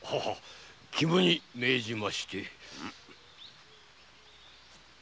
肝に銘じまして。